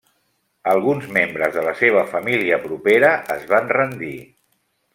Alguns membres de la seva família propera es van rendir.